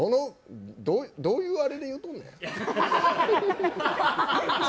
どういうあれで言うとんのや。